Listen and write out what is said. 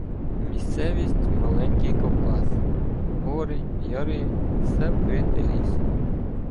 Місцевість — маленький Кавказ: гори, яри, все вкрите лісом.